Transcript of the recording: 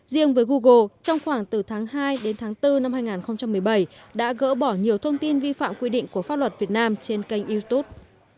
riêng với google trong khoảng từ tháng hai đến tháng bốn năm hai nghìn một mươi bảy đã gỡ bỏ nhiều thông tin vi phạm quy định của pháp luật việt nam trên kênh youtube